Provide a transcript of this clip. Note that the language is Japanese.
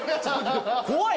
怖い！